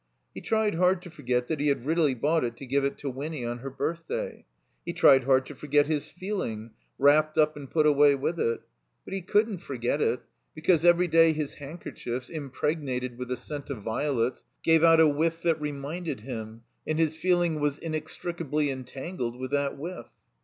He tried hard to forget that he had really bought it to give to Winny on her birthday. He tried hard to forget his feeling, wrapped up and put away with it. But he couldn't forget it; because every day his handkerchiefs, im pregnated with the scent of violets, gave out a whiflf that reminded him, and his feeling was inextricably entangled with that whiff.